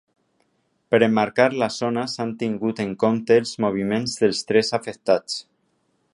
Per emmarcar la zona s’han tingut en compte els moviments dels tres afectats.